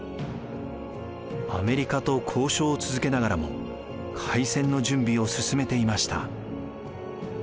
アメリカと交渉を続けながらも開戦の準備を進めていました。